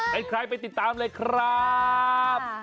เป็นใครไปติดตามเลยครับ